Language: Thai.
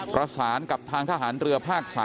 ประสานกับทางทหารเรือภาค๓